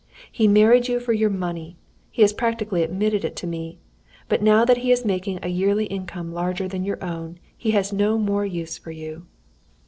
He married you for your money; he has practically admitted it to me; but now that he is making a yearly income larger than your own, he has no more use for you.